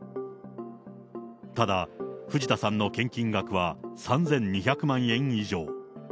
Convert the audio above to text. ただ藤田さんの献金額は３２００万円以上。